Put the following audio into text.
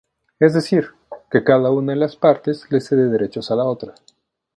Es decir, que cada una de las partes le cede derechos a la otra.